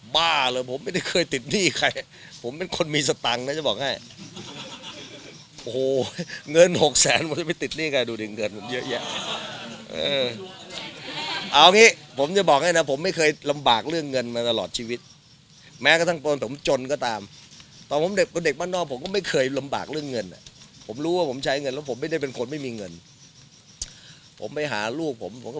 บ้าเลยผมไม่ได้เคยติดหนี้ใครผมเป็นคนมีสตังค์นะจะบอกให้โอ้โหเงินหกแสนผมไปติดหนี้ใครดูดิเงินผมเยอะแยะเออเอางี้ผมจะบอกให้นะผมไม่เคยลำบากเรื่องเงินมาตลอดชีวิตแม้กระทั่งตนผมจนก็ตามตอนผมเด็กเป็นเด็กบ้านนอกผมก็ไม่เคยลำบากเรื่องเงินอ่ะผมรู้ว่าผมใช้เงินแล้วผมไม่ได้เป็นคนไม่มีเงินผมไปหาลูกผมผมก็